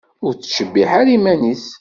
Ur tettcebbiḥ ara iman-is.